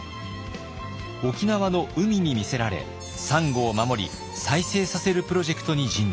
沖縄の海に魅せられサンゴを守り再生させるプロジェクトに尽力。